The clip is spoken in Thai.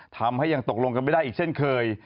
ทำให้ยังตกลงกันไม่ได้อีกเช่นเคย